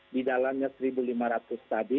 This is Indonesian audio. di dalamnya satu lima ratus tadi